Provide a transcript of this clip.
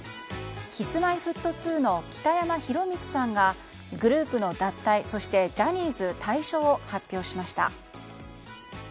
Ｋｉｓ‐Ｍｙ‐Ｆｔ２の北山宏光さんがグループの脱退そしてジャニーズ退所を発表しました。